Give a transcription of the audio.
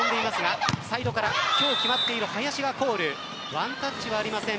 ワンタッチはありません。